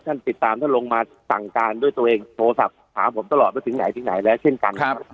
ท่านติดตามท่านลงมาสั่งการด้วยตัวเองโทรศัพท์หาผมตลอดไปถึงไหนถึงไหนแล้วเช่นกันครับ